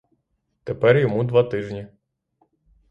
Тепер йому два тижні.